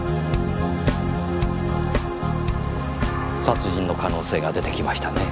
殺人の可能性が出てきましたね。